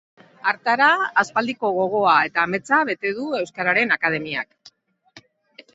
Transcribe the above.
Hartara, aspaldiko gogoa eta ametsa bete du euskararen akademiak.